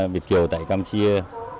việt kiều tại campuchia